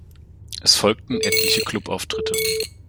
Es folgten etliche Club-Auftritte.